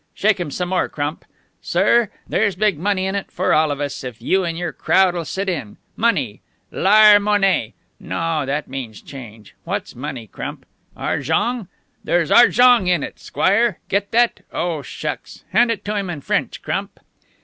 Shake him some more, Crump. Sir, there's big money in it for all of us, if you and your crowd'll sit in. Money. Lar' monnay. No, that means change. What's money, Crump? Arjong? There's arjong in it, Squire. Get that? Oh, shucks! Hand it to him in French, Crump."